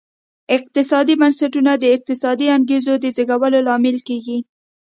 اقتصادي بنسټونه د اقتصادي انګېزو د زېږولو لامل کېږي.